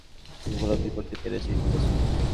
পাপিকে বলো, আমি এর গুরুত্ব উপলব্ধি করতে পেরেছি, ঠিক আছে?